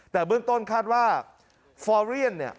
แต่เบื้องต้นคาดว่าฟอเรียนเนี่ย